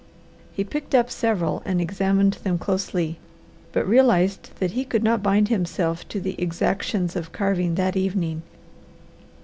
He picked up several and examined them closely, but realized that he could not bind himself to the exactions of carving that evening.